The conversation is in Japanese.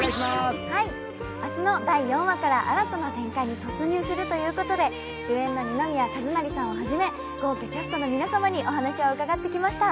明日の第４話から新たな展開に突入するということで、主演の二宮和也さんをはじめ豪華キャストの皆さんにお話を伺ってきました。